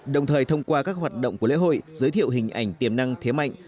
đồng thời thông qua các hoạt động của lễ hội giới thiệu hình ảnh tiềm năng thế mạnh